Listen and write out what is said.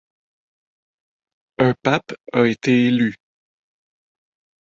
Un pape a été élu.